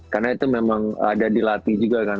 karena itu memang ada di lati juga kan